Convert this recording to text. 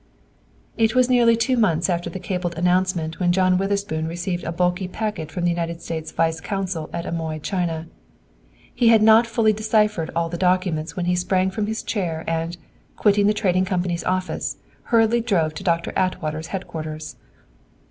It was nearly two months after the cabled announcement when John Witherspoon received a bulky packet from the United States Vice Consul at Amoy, China. He had not fully deciphered all the documents when he sprang from his chair and, quitting the Trading Company's office, hurriedly drove to Doctor Atwater's headquarters.